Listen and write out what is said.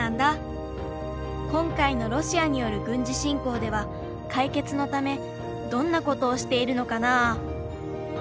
今回のロシアによる軍事侵攻では解決のためどんなことをしているのかなあ？